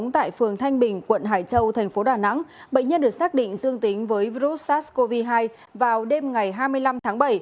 tại phường thanh bình quận hải châu thành phố đà nẵng bệnh nhân được xác định dương tính với virus sars cov hai vào đêm ngày hai mươi năm tháng bảy